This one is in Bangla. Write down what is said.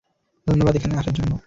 ধন্যবাদ এখানে আসার জন্য।